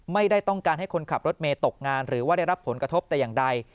ไม่ได้ต้องการให้คนขับรถเมย์ตกงานหรือว่าได้รับผลกระทบแต่อย่างใด